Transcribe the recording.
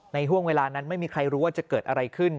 ห่วงเวลานั้นไม่มีใครรู้ว่าจะเกิดอะไรขึ้น